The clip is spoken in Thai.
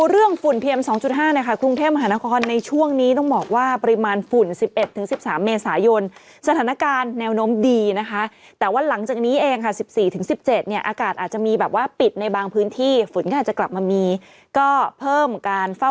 เร็วบ้างช้าบ้างตามธรรมดา